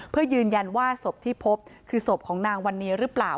เพื่อยืนยันว่าศพที่พบคือศพของนางวันนี้หรือเปล่า